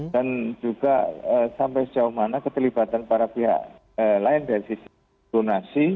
dan juga sampai sejauh mana keterlibatan para pihak lain dari sisi donasi pun juga bantuan bantuan lainnya termasuk penyebaran